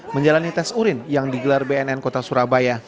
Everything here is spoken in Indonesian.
menjalani tes urin yang digelar bnn kota surabaya